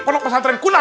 pono pesantren kunanta